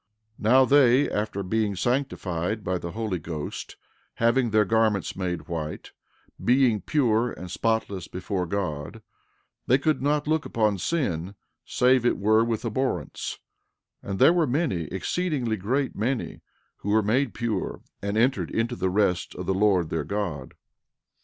13:12 Now they, after being sanctified by the Holy Ghost, having their garments made white, being pure and spotless before God, could not look upon sin save it were with abhorrence; and there were many, exceedingly great many, who were made pure and entered into the rest of the Lord their God.